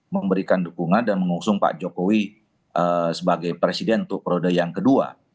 memberikan dukungan dan mengusung pak jokowi sebagai presiden untuk periode yang kedua